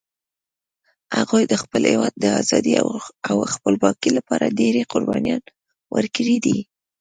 هغوی د خپل هیواد د آزادۍ او خپلواکۍ لپاره ډېري قربانيان ورکړي دي